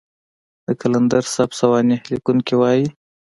د قلندر صاحب سوانح ليکونکي وايي.